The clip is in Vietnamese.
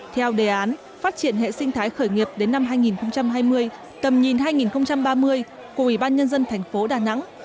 theo đề án phát triển hệ sinh thái khởi nghiệp đến năm hai nghìn hai mươi tầm nhìn hai nghìn ba mươi của ủy ban nhân dân thành phố đà nẵng